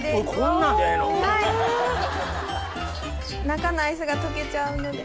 中のアイスが溶けちゃうので。